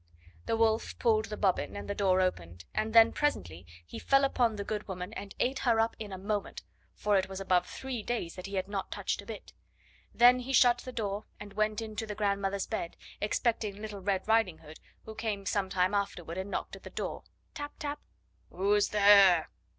The Wolf pulled the bobbin, and the door opened, and then presently he fell upon the good woman and ate her up in a moment, for it was above three days that he had not touched a bit. He then shut the door and went into the grandmother's bed, expecting Little Red Riding Hood, who came some time afterward and knocked at the door tap, tap. "Who's there?"